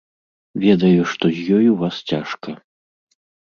Ведаю, што з ёй у вас цяжка.